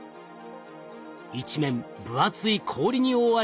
一面分厚い氷に覆われています。